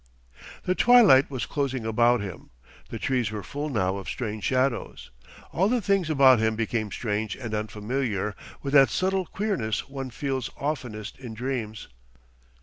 The twilight was closing about him. The trees were full now of strange shadows. All the things about him became strange and unfamiliar with that subtle queerness one feels oftenest in dreams.